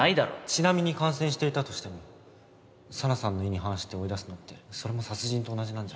ちなみに感染していたとしても紗奈さんの意に反して追い出すのってそれも殺人と同じなんじゃ。